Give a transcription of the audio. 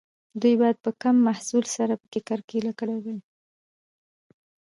دوی باید په کم محصول سره پکې کرکیله کړې وای.